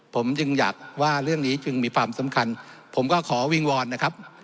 ผมจึงอยากว่าเรื่องนี้จึงมีความสำคัญผมก็ขอวิงวอนนะครับ